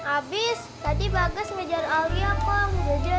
abis tadi bagas ngejar alia kong